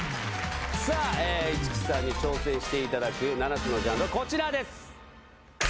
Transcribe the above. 市來さんに挑戦していただく７つのジャンルはこちらです。